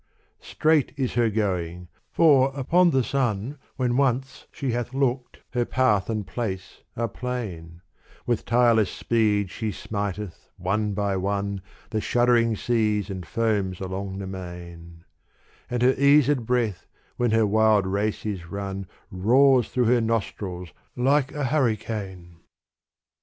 Straight is her going, for upon the sun When once she hath looked, her path and place are plain With tireless speed she smiteth one by one The shuddering seas and foams along the main : And her eased breath when her wild race is run Roars through her nostrils like a hurricane.